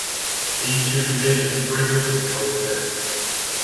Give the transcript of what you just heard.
These two conditions frequently co-exist.